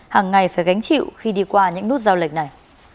hàng ngày phải gánh chịu khi đi qua những nút giao lệch này